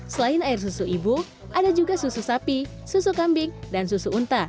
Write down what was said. selain air susu ibu ada juga susu sapi susu kambing dan susu unta